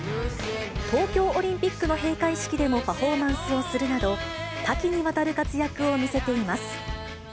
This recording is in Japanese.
東京オリンピックの閉会式でもパフォーマンスをするなど、多岐にわたる活躍を見せています。